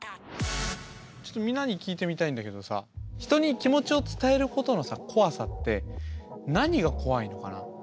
ちょっとみんなに聞いてみたいんだけどさ人に気持ちを伝えることの怖さって何が怖いのかな。